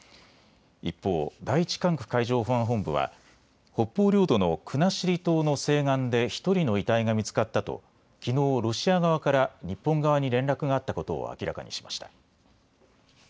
一方、第１管区海上保安本部は北方領土の国後島の西岸で１人の遺体が見つかったときのうロシア側から日本側に連絡があったことを明らかにしました。